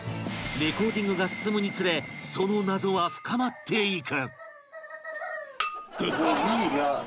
レコーディングが進むにつれその謎は深まっていく